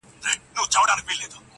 کلونه وروسته هم يادېږي تل,